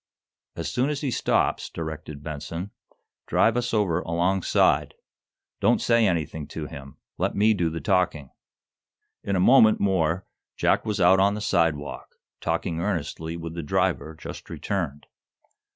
"As soon as he stops," directed Benson, "drive us over alongside. Don't say anything to him. Let me do the talking." In a moment more Jack was out on the sidewalk, talking earnestly with the driver just returned.